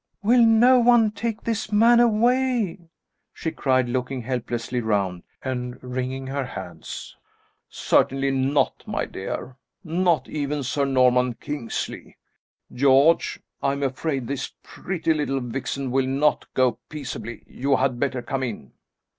"Will no one take this man away?" she cried, looking helplessly round, and wringing her hands. "Certainly not, my dear not even Sir Norman Kingsley! George, I am afraid this pretty little vixen will not go peaceably; you had better come in!"